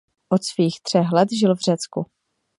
Od svých třech let žil v Řecku.